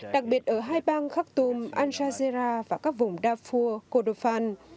đặc biệt ở hai bang khartoum al jazeera và các vùng darfur kordofan